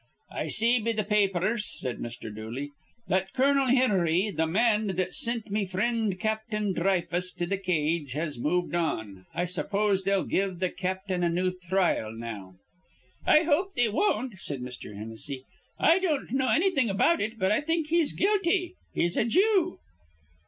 "I see be th' pa apers," said Mr. Dooley, "that Col. Hinnery, th' man that sint me frind Cap. Dhry fuss to th' cage, has moved on. I suppose they'll give th' Cap a new thrile now." "I hope they won't," said Mr. Hennessy. "I don't know annything about it, but I think he's guilty. He's a Jew."